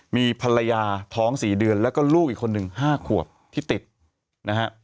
มีภรรยาท้อง๔เดือนแล้วก็ลูกอีกคนหนึ่ง๕ขวบที่ติดนะฮะ